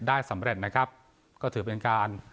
ได้สำเร็จนะครับก็ถือเป็นการ